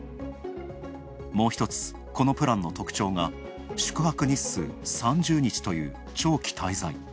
もう一つ、このプランの特徴が宿泊日数３０日という長期滞在。